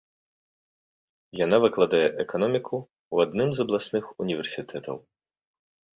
Яна выкладае эканоміку ў адным з абласных універсітэтаў.